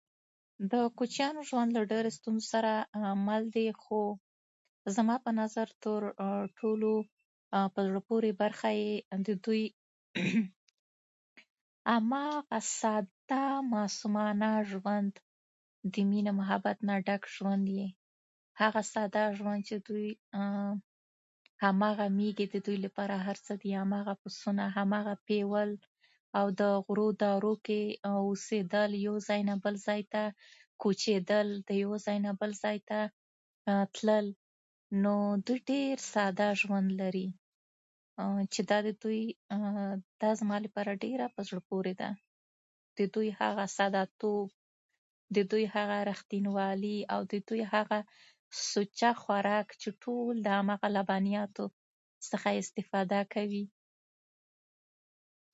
د کوچيانو ژوند له ډيرو ستونزو سره مل دی خو زما په نظر تر ټولو په زړه پورې برخه یی د دوې عامه او ساده معصومانه ژوند د ميني محبت نه ډک یې ژوند يي هغه ساده ژوند چي دوې هماغه ميږې د دوي لپاره هرڅه دي هماغه پسونه هماغه پيول او د غرو درو کي اوسیدل يوځاي نه بل ځای ته کوچيدل يو ځای نه بل ځای ته تلل نو دوي ډير ساده ژوند لري چي دا ددوې دا زما لپاره ډيره په زړه پورې ده ددوې هاغه ساده توب، ددوې هغه رښتینولي او د دوې هاغه سوچه خوراک چې ټول د هماغه لبنياتو څخه استفاده کوي